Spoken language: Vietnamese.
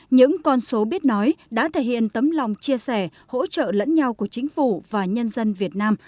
những con số biết nói đã thể hiện tấm lòng chia sẻ hỗ trợ lẫn nhau của chính phủ và nhân dân việt nam